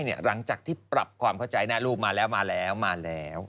หลังจากที่ปรับความเข้าใจหน้าลูกมาแล้วมาแล้วมาแล้ว